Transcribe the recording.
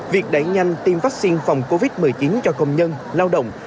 việc đẩy nhanh tiêm vaccine phòng covid một mươi chín cho công nhân lao động